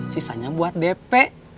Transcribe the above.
sisanya buat dp